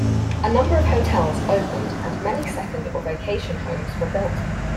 A number of hotels opened and many second or vacation homes were built.